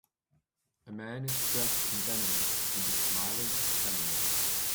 A man is dressed in denim and is smiling offcamera.